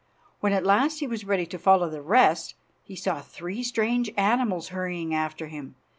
When at last he was ready to follow the rest he saw three strange animals hurrying after him.